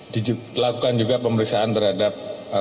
dilakukan juga pemeriksaan terhadap